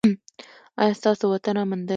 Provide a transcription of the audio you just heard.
ایا ستاسو وطن امن دی؟